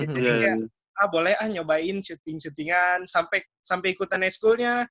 jadi kayak ah boleh ah nyobain syuting syutingan sampai ikutan e schoolnya